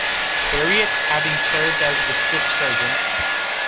Harriet, having served as the ship's surgeon.